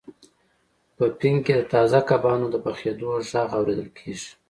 په پین کې د تازه کبانو د پخیدو غږ اوریدل کیږي